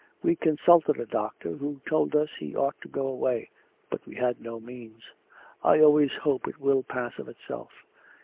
We consulted a doctor, who told us he ought to go away, but we had no means.... I always hope it will pass of itself.